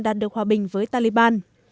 đạt được hòa bình với taliban